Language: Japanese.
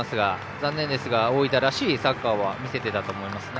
残念ですが大分らしいサッカーは見せていたと思います。